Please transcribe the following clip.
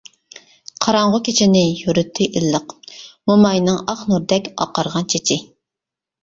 قاراڭغۇ كېچىنى يورۇتتى ئىللىق، موماينىڭ ئاق نۇردەك ئاقارغان چېچى.